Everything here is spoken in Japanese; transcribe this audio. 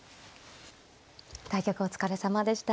対局お疲れさまでした。